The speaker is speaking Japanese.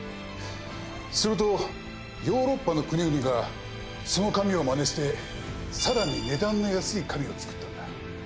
するとヨーロッパの国々がその紙を真似してさらに値段の安い紙を作ったんだ。